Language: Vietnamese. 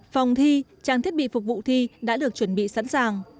phòng thi trang thiết bị phục vụ thi đã được chuẩn bị sẵn sàng